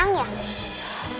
emangnya hidup kita belum tenang ya